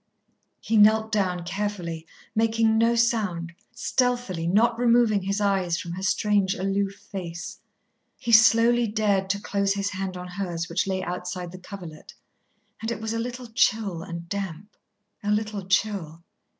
He knelt down carefully, making no sound, stealthily, not removing his eyes from her strange, aloof face. He slowly dared to close his hand on hers which lay outside the coverlet. And it was a little chill and damp, a little chill.